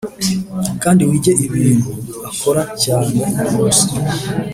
kandi wige ibintu akora cyane buri munsi